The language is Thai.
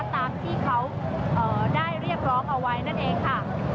ตามที่เขาได้เรียกร้องเอาไว้นั่นเองค่ะ